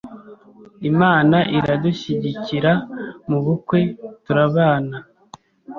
Imana iradushyigikira mu bukwe turabana